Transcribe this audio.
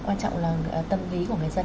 quan trọng là tâm lý của người dân